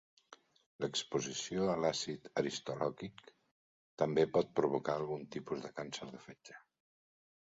L'exposició a l'àcid aristolòquic també pot provocar alguns tipus de càncer de fetge.